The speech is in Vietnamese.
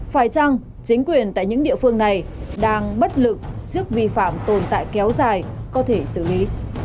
phải chăng chính quyền tại những địa phương này đang bất lực trước vi phạm tồn tại kéo dài có thể xử lý